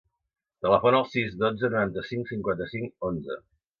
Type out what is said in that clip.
Telefona al sis, dotze, noranta-cinc, cinquanta-cinc, onze.